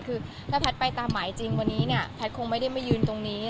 คือถ้าแพทย์ไปตามหมายจริงวันนี้เนี่ยแพทย์คงไม่ได้มายืนตรงนี้